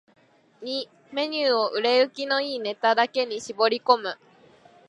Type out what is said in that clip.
ⅱ メニューを売れ行きの良いネタだけに絞り込む